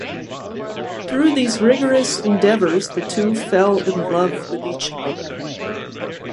Through these rigorous endeavors the two fall in love with each other.